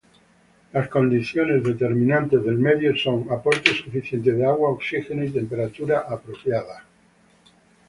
Las condiciones determinantes del medio son: Aporte suficiente de agua, oxígeno, y temperatura apropiada.